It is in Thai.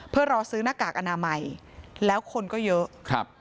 เพื่อรอซื้อหน้ากากอนามัยแล้วคนก็เยอะครับ